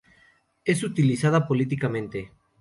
Es utilizada políticamente.